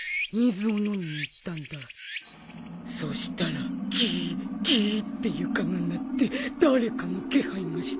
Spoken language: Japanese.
そしたらギィギィって床が鳴って誰かの気配がしたんだよ。